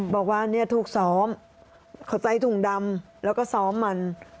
บอกว่าเนี่ยถูกซ้อมเขาใส่ถุงดำแล้วก็ซ้อมมัน